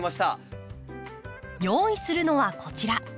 用意するのはこちら。